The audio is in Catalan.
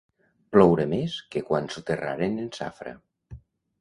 Ploure més que quan soterraren en Safra.